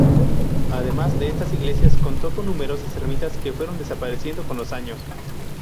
Además de estas iglesias contó con numerosas ermitas que fueron desapareciendo con los años.